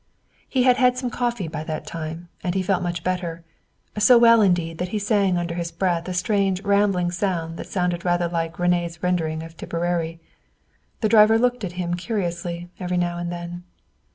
He had had some coffee by that time, and he felt much better so well indeed that he sang under his breath a strange rambling song that sounded rather like René's rendering of Tipperary. The driver looked at him curiously every now and then.